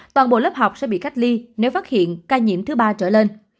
toàn bộ lớp học sẽ bị cách ly nếu phát hiện ca nhiễm thứ ba trở lên